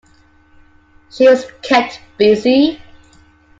She was kept busy.